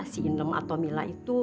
si nem atau milah itu